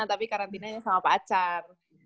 tapi karantinanya sama pacar